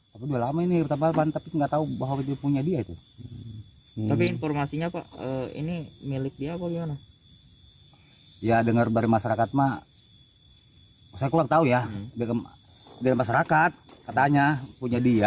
saya kurang tahu ya dari masyarakat katanya punya dia